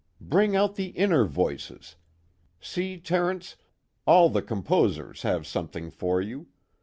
Bring out the inner voices.... See, Terence, all the composers have something for you.